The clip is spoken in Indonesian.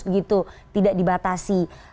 begitu tidak dibatasi